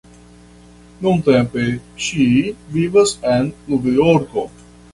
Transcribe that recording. Nuntempe, ŝi vivas en Nov-Jorko.